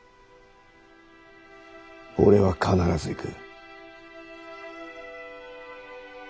俺は必ず行く。